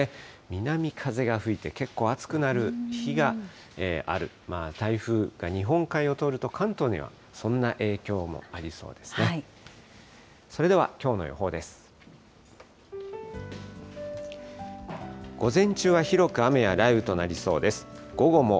南風が吹いて結構暑くなる日がある、台風が日本海を通ると関東にはそんな影響もありそうですね。